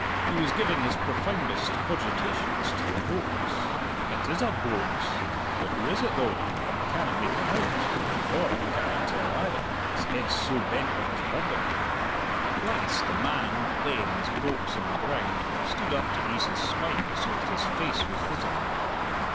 He was giving his profoundest cogitations to the "boax." "It is a boax! But who is it though? I canna make him out." "Dod, I canna tell either; his head's so bent with his burden!" At last the man, laying his "boax" on the ground, stood up to ease his spine, so that his face was visible.